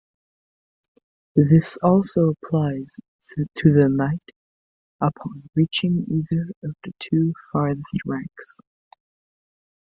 This also applies to the knight upon reaching either of the two farthest ranks.